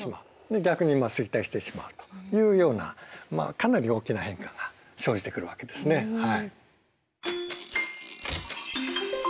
で逆に衰退してしまうというようなまあかなり大きな変化が生じてくるわけですねはい。